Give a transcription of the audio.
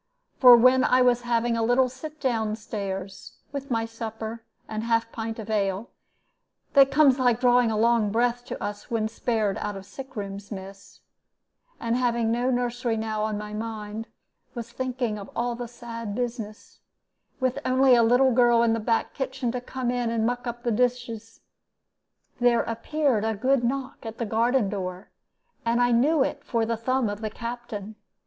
For when I was having a little sit down stairs, with my supper and half pint of ale (that comes like drawing a long breath to us when spared out of sickrooms, miss), and having no nursery now on my mind, was thinking of all the sad business, with only a little girl in the back kitchen come in to muck up the dishes, there appeared a good knock at the garden door, and I knew it for the thumb of the Captain.